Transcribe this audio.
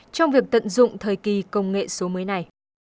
trong việc tận dụng thời kỳ công nghệ số mới này